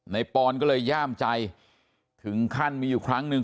ปอนก็เลยย่ามใจถึงขั้นมีอยู่ครั้งหนึ่ง